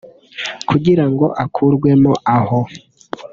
Kugira ngo akurwemo aho